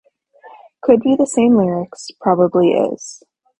Could be the same lyrics - probably is.